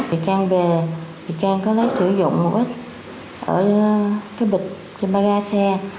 bị can về bị can có lấy sử dụng một ít ở cái bịch trên ba ga xe